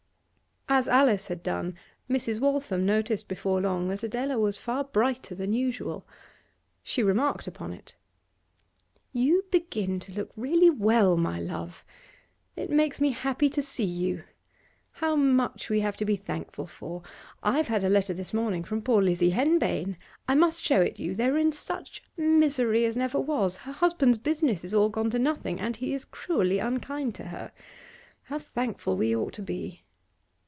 As Alice had done, Mrs. Waltham noticed before long that Adela was far brighter than usual. She remarked upon it. 'You begin to look really well, my love. It makes me happy to see you. How much we have to be thankful for! I've had a letter this morning from poor Lizzie Henbane; I must show it you. They're in such misery as never was. Her husband's business is all gone to nothing, and he is cruelly unkind to her. How thankful we ought to be!